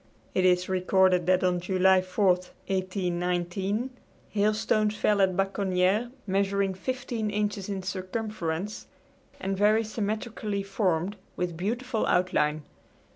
It is recorded that on July 4, 1819, hailstones fell at Baconniere measuring fifteen inches in circumference, and very symmetrically formed, with beautiful outline.